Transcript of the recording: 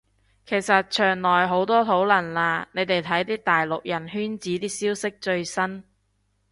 其實牆內好多討論啦，你哋睇啲大陸人圈子啲消息最新